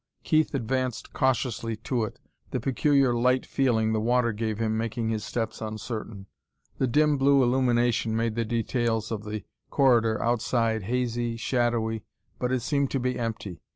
Keith advanced cautiously to it, the peculiar light feeling the water gave him making his steps uncertain. The dim blue illumination made the details of the corridor outside hazy, shadowy, but it seemed to be empty.